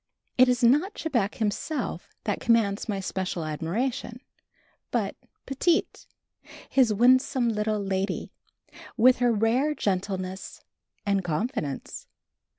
It is not Chebec himself that commands my special admiration, but "Petite," his winsome little lady, with her rare gentleness and confidence.